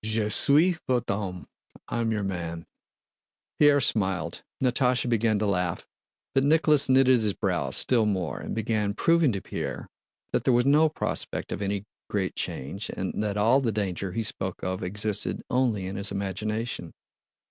Je suis vot'e homme!" "I'm your man." Pierre smiled, Natásha began to laugh, but Nicholas knitted his brows still more and began proving to Pierre that there was no prospect of any great change and that all the danger he spoke of existed only in his imagination.